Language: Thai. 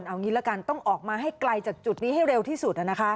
เอางี้ละกันต้องออกมาให้ไกลจากจุดนี้ให้เร็วที่สุด